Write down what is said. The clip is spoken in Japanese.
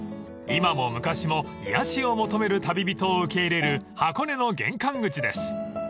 ［今も昔も癒やしを求める旅人を受け入れる箱根の玄関口です］